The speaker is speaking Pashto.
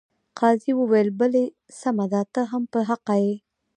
قاضي وویل بلې سمه ده ته هم په حقه یې.